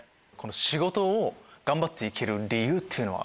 仕事を頑張って行ける理由っていうのは。